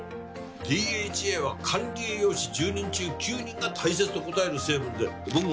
ＤＨＡは管理栄養士１０人中９人が大切と答える成分で僕もね